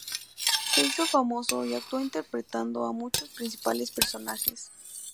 Se hizo famoso y actuó interpretando a muchos principales personajes.